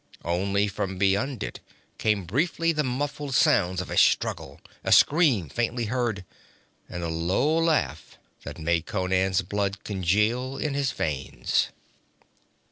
Only from beyond it came briefly the muffled sounds of a struggle, a scream, faintly heard, and a low laugh that made Conan's blood congeal in his veins.